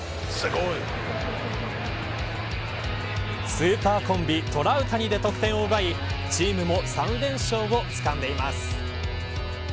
スーパーコンビトラウタニで得点を奪いチームも３連勝をつかんでいます。